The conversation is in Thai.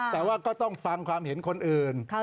แต่ว่าก็ต้องฟังความเห็นคนอื่น